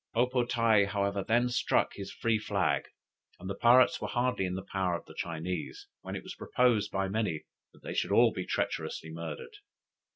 O po tae, however, had hardly struck his free flag, and the pirates were hardly in the power of the Chinese, when it was proposed by many that they should all be treacherously murdered.